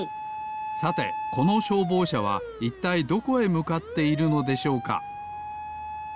さてこのしょうぼうしゃはいったいどこへむかっているのでしょうか？